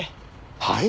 はい？